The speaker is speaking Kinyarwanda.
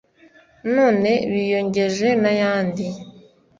none biyongeje n'ayandi